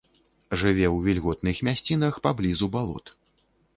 Жыве ў вільготных мясцінах, паблізу балот.